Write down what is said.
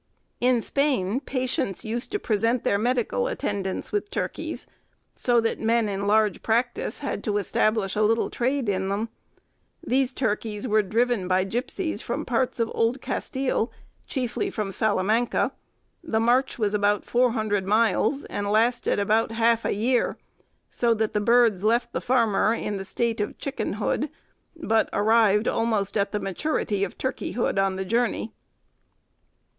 In Spain patients used to present their medical attendants with turkeys; so that men in large practice had to establish a little trade in them. These turkeys were driven by gipseys from parts of Old Castile, chiefly from Salamanca; the march was about 400 miles, and lasted about half a year, so that the birds left the farmer in the state of chickenhood, but arrived almost at the maturity of turkeyhood on the journey.